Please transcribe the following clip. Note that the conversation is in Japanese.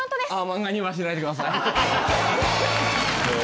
漫画にはしないでください。